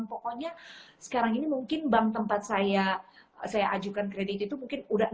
dan pokoknya sekarang ini mungkin bank tempat saya ajukan kredit itu mungkin udah